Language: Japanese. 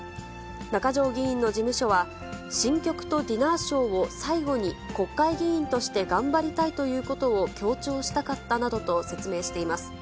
中条議員の事務所は、新曲とディナーショーを最後に国会議員として頑張りたいということを強調したかったなどと説明しています。